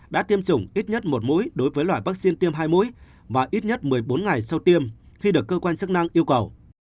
đã tiêm chủng ít nhất một mũi đối với loại vaccine tiêm hai mũi và ít nhất một mươi bốn ngày sau tiêm khi được cơ quan chức năng yêu cầu